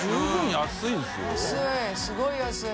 安いすごい安い。